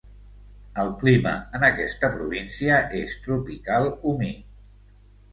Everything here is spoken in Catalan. El clima en aquesta província és tropical humit.